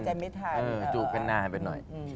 จูบกันหน้ามาถึงหน่อย